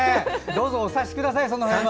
どうぞお察しください。